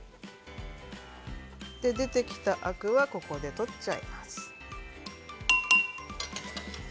出てきたアクはここで取っちゃいます。